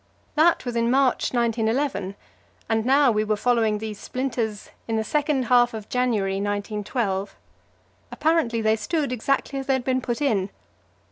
That was in March, 1911, and now we were following these splinters in the second half of January, 1912. Apparently they stood exactly as they had been put in.